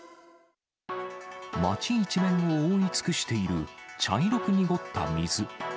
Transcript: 街一面を覆い尽くしている茶色く濁った水。